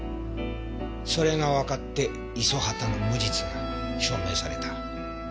それがわかって五十畑の無実が証明された。